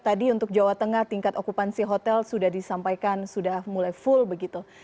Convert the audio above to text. tadi untuk jawa tengah tingkat okupansi hotel sudah disampaikan sudah mulai full begitu